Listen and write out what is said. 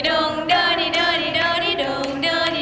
ตรงนี้เป็นตัว